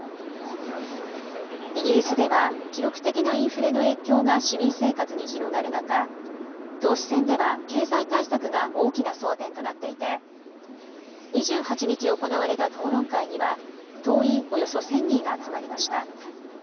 イギリスでは記録的なインフレの影響が市民生活に広がる中、党首選では経済対策が大きな争点となっていて２８日行われた討論会には党員およそ１０００人が集まりました。